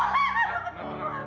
satria jangan pulang